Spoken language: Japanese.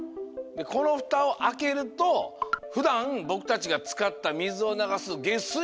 このふたをあけるとふだんぼくたちがつかったみずをながすげすい